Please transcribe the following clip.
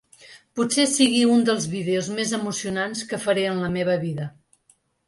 Potser sigui un dels vídeos més emocionants que faré en la meva vida.